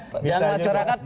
jangan masyarakat perlu tahu